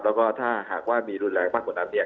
แล้วก็ถ้าหากว่ามีรุนแรงมากกว่านั้นเนี่ย